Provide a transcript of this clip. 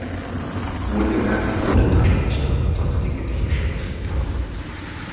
Wohlgemerkt ohne Taschenrechner und sonstige technische Hilfsmittel.